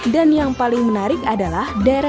dan yang paling menarik adalah tempat wisata